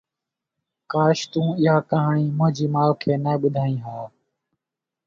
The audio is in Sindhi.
ڪاش تون اها ڪهاڻي منهنجي ماءُ کي نه ٻڌائي ها.